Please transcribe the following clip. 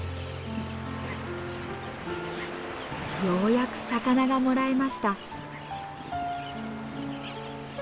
ようやく魚がもらえました。